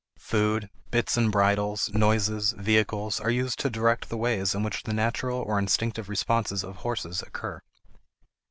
Food, bits and bridles, noises, vehicles, are used to direct the ways in which the natural or instinctive responses of horses occur.